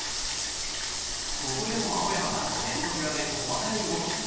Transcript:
ここでも青山がネット際で細かい動き。